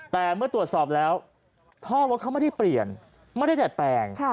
แต่เมื่อตรวจสอบแล้วท่อรถเขาไม่ได้เปลี่ยนไม่ได้ดัดแปลง